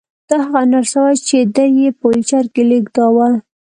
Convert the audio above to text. دا هغه نرس وه چې دی یې په ويلچر کې لېږداوه